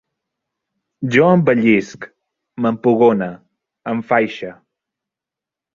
Jo embellisc, m'empugone, enfaixe